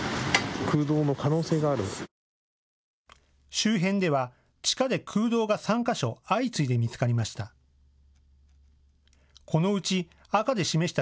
周辺では地下で空洞が３か所、相次いで見つかりました。